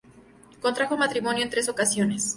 Contrajo matrimonio en tres ocasiones.